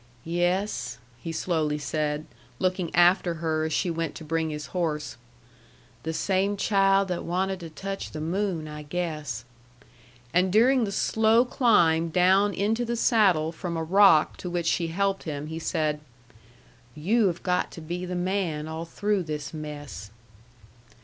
"Yes," he slowly said, looking after her as she went to bring his horse, "the same child that wanted to touch the moon, I guess." And during the slow climb down into the saddle from a rock to which she helped him he said, "You have got to be the man all through this mess."